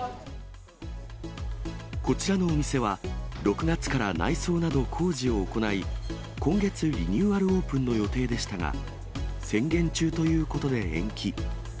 こちらのお店は、６月から内装など工事を行い、今月、リニューアルオープンの予定でしたが、宣言中ということで延期。